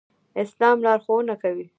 اسلام لارښوونه کوي